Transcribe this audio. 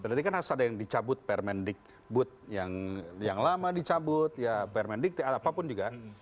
berarti kan harus ada yang dicabut per mendikbud yang lama dicabut ya per mendikbud apapun juga